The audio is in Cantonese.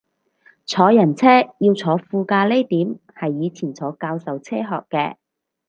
坐人車要坐副駕呢點係以前坐教授車學嘅